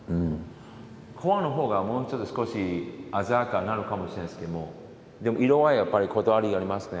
コアの方がもうちょっと少し鮮やかなのかもしれないですけどもでも色はやっぱりこだわりありますね。